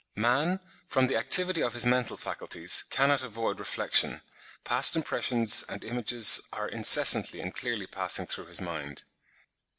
Man, from the activity of his mental faculties, cannot avoid reflection: past impressions and images are incessantly and clearly passing through his mind.